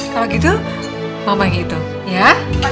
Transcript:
kalau gitu mama gitu ya